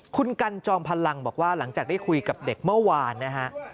คุณกันจอมพลังบอกว่าหลังจากได้คุยกับเด็กเมื่อวานนะฮะ